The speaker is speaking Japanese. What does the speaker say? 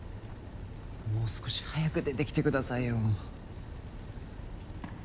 もう少し早く出てきてくださいよ。